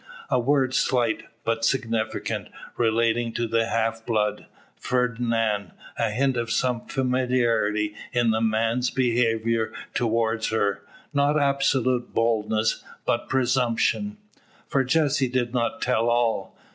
A word slight but significant, relating to the half blood, Fernand; a hint of some familiarity in the man's behaviour towards her, not absolute boldness, but presumption: for Jessie did not tell all.